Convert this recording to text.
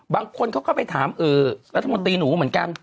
บางคนเขาก็ไปถามรัฐมนตรีหนูเหมือนกัน